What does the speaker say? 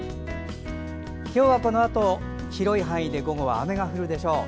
今日はこのあと広い範囲で午後は雨が降るでしょう。